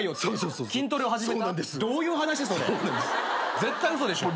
絶対嘘でしょ。